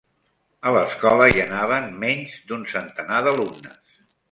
A l'escola hi anaven menys d'un centenar d'alumnes.